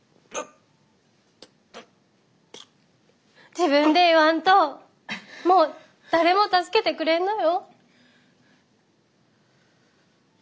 自分で言わんともう誰も助けてくれんのよ。